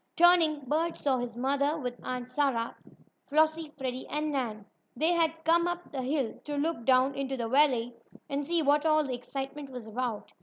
Turning, Bert saw his mother, with Aunt Sarah, Flossie, Freddie and Nan. They had come up the hill to look down into the valley and see what all the excitement was about.